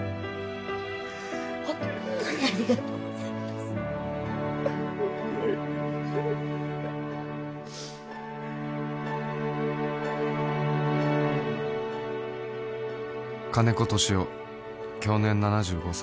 本当にありがとうございます金子敏夫享年７５歳